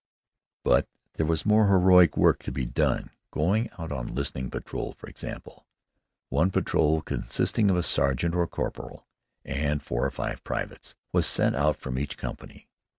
But there was more heroic work to be done: going out on listening patrol, for example. One patrol, consisting of a sergeant or a corporal and four or five privates, was sent out from each company.